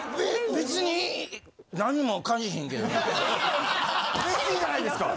嬉しいじゃないですか。